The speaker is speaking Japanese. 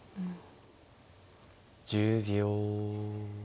１０秒。